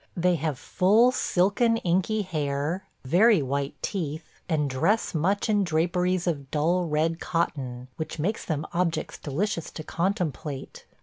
They have full silken inky hair, very white teeth, and dress much in draperies of dull red cotton, which makes them objects delicious to contemplate.